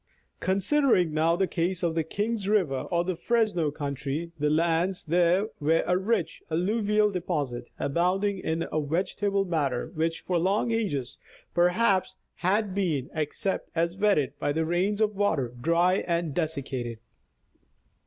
Considering now the case of the King's river or the Fresno country, the lands there were a rich alluvial deposit, abounding in vegetable matter which for long ages perhaps had been, except as wetted by the rains of winter, dry and dessicated.